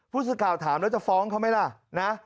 ผู้สื่อข่าวถามแล้วจะฟ้องเขาไหมล่ะนะ